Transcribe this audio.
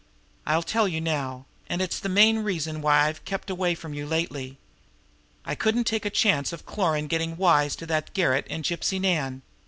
I'll tell you now; and it's the main reason why I've kept away from you lately. I couldn't take a chance of Cloran getting wise to that garret and Gypsy Nan."